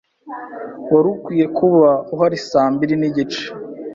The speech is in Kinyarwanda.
Wari ukwiye kuba uhari saa mbiri nigice.